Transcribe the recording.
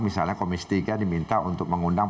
misalnya komisi tiga diminta untuk mengundang